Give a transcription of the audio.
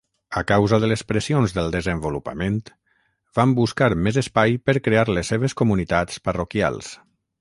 A causa de les pressions del desenvolupament, van buscar més espai per crear les seves comunitats parroquials.